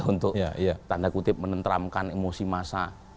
untuk tanda kutip menenteramkan emosi massa